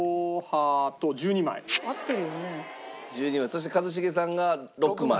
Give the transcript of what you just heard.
そして一茂さんが６枚。